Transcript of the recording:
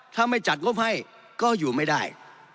ถ้าไม่จัดงบให้ก็อยู่ไม่ได้